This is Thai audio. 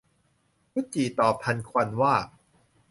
กุดจี่ตอบทันควันว่า